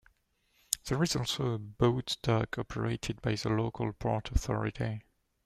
There is also a boat dock operated by the local Port Authority.